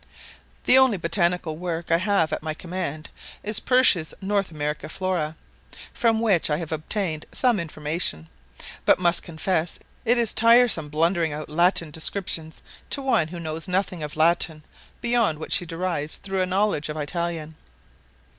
The only botanical work I have at my command is Pursh's North American Flora, from which I have obtained some information; but must confess it is tiresome blundering out Latin descriptions to one who knows nothing of Latin beyond what she derives through a knowledge of Italian.